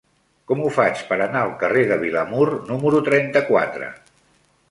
Com ho faig per anar al carrer de Vilamur número trenta-quatre?